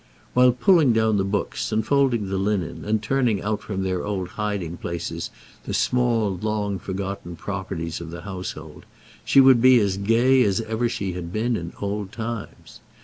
While pulling down the books, and folding the linen, and turning out from their old hiding places the small long forgotten properties of the household, she would be as gay as ever she had been in old times.